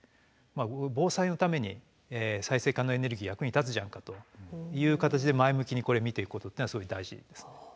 防災のために再生可能エネルギー役に立つじゃんかという形で前向きにこれ見ていくことっていうのはすごい大事ですね。